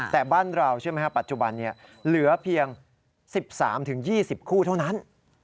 แต่บ้านเราใช่ไหมครับปัจจุบันนี้เหลือเพียง๑๓๒๐คู่เท่านั้น